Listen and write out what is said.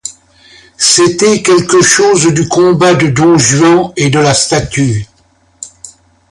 C'était quelque chose du combat de don Juan et de la statue.